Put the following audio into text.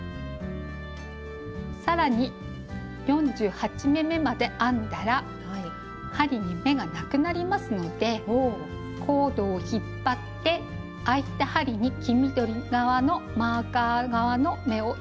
更に４８目めまで編んだら針に目がなくなりますのでコードを引っ張ってあいた針に黄緑側のマーカー側の目を移動させます。